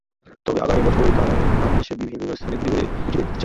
তবে আগামী বছর তাঁরা বাংলাদেশের বিভিন্ন স্থানে ঘুরে ঘুরে এটি দেখাতে চান।